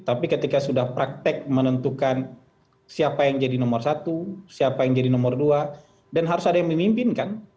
tapi ketika sudah praktek menentukan siapa yang jadi nomor satu siapa yang jadi nomor dua dan harus ada yang memimpinkan